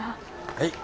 はい。